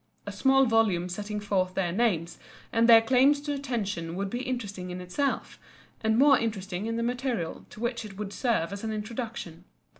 A small volume setting forth their names and their claims to attention would be interesting in itself, and more interesting in the material to which it would serve as an introduction.